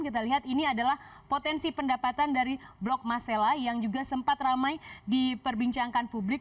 kita lihat ini adalah potensi pendapatan dari blok masela yang juga sempat ramai diperbincangkan publik